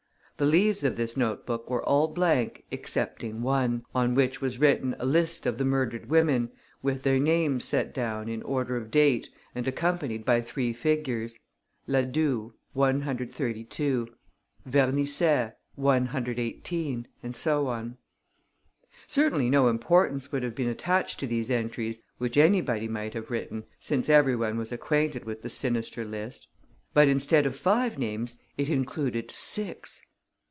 The leaves of this note book were all blank, excepting one, on which was written a list of the murdered women, with their names set down in order of date and accompanied by three figures: Ladoue, 132; Vernisset, 118; and so on. Certainly no importance would have been attached to these entries, which anybody might have written, since every one was acquainted with the sinister list. But, instead of five names, it included six!